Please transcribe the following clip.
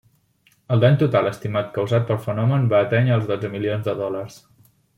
El dany total estimat causat pel fenomen va atènyer els dotze milions de dòlars.